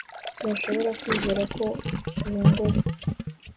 sinshobora kwizera ko urongora